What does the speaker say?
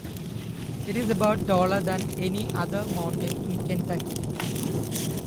It is about taller than any other mountain in Kentucky.